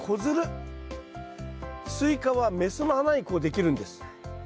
スイカは雌の花にこうできるんです。